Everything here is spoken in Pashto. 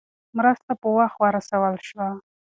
مرسته په وخت ورسول شوه.